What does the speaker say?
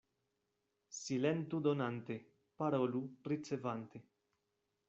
Silentu donante, parolu ricevante.